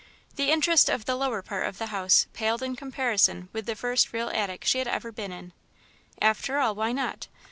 The interest of the lower part of the house paled in comparison with the first real attic she had ever been in. After all, why not?